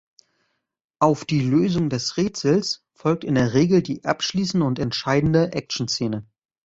Auf die Lösung des Rätsels folgt in der Regel die abschließende und entscheidende Action-Szene.